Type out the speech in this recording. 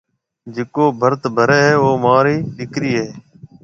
جڪو ڀرت ڀري هيَ او مهارِي ڏِيڪرِي هيَ۔